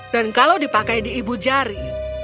dan kalau dipakai di ibu jari